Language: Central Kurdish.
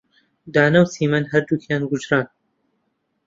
دانا و چیمەن هەردووکیان کوژران.